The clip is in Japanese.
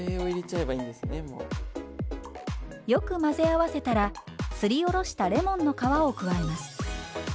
よく混ぜ合わせたらすりおろしたレモンの皮を加えます。